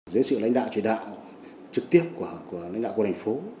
giới sự lãnh đạo truyền đạo trực tiếp của lãnh đạo quân hành phố